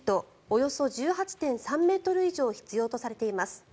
およそ１８．３ｍ以上必要とされています。